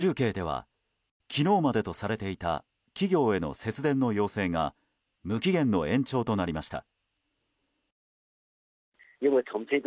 重慶では昨日までとされていた企業への節電の要請が無期限の延長となりました。